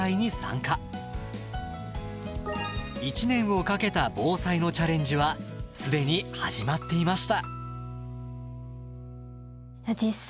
１年をかけた防災のチャレンジは既に始まっていました。